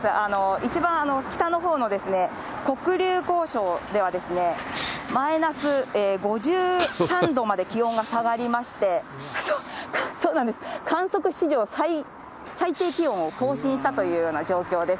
一番北のほうの黒龍江省では、マイナス５３度まで気温が下がりまして、観測史上最低気温を更新したというような状況です。